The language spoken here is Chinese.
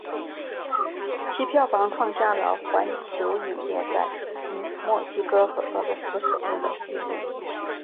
其票房创下了环球影业在墨西哥和俄罗斯首映的纪录。